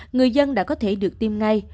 người dân đã có thể được tiêm ngay